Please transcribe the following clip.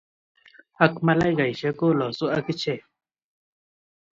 Ak ma aika-isiek, kolosu agichek.